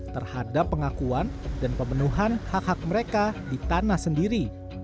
terhadap pengakuan dan pemenuhan hak hak mereka di tanah sendiri